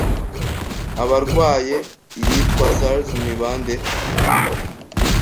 Abarwaye iyitwa Sars ni bande